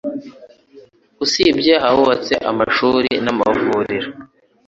usibye ahubatse amashuri n'amavuriro